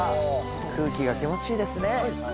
空気が気持ちいいですね。